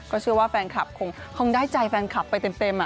เชื่อว่าแฟนคลับคงได้ใจแฟนคลับไปเต็ม